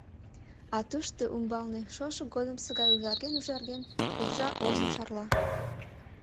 А тушто, умбалне, шошо годымсо гай ужарген-ужарген, уржа озым шарла.